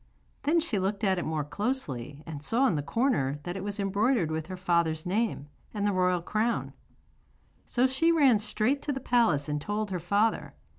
Then she looked at it more closely and saw in the corner that it was embroidered with her father's name and the royal crown. So she ran straight to the palace and told her father.